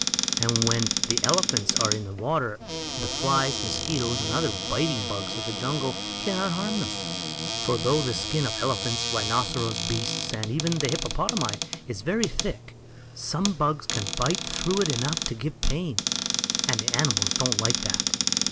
And when the elephants are in the water the flies, mosquitoes and other biting bugs of the jungle can not harm them. For, though the skin of elephants, rhinoceros beasts, and even the hippopotami, is very thick, some bugs can bite through it enough to give pain, and the animals don't like that.